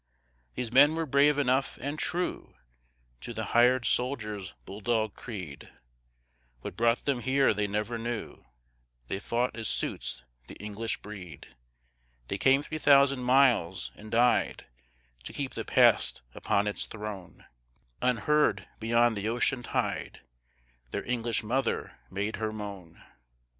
These men were brave enough, and true To the hired soldier's bull dog creed; What brought them here they never knew, They fought as suits the English breed; They came three thousand miles, and died, To keep the Past upon its throne; Unheard, beyond the ocean tide, Their English mother made her moan.